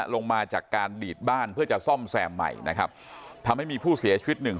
ลงมาจากการดีดบ้านเพื่อจะซ่อมแซมใหม่นะครับทำให้มีผู้เสียชีวิตหนึ่ง